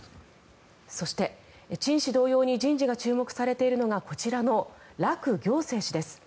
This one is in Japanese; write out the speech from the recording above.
そして、チン氏同様に人事が注目されているのがこちらのラク・ギョクセイ氏です。